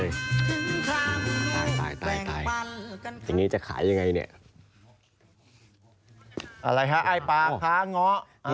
อะไรคะไอ้ประขท์ข้างเงาะ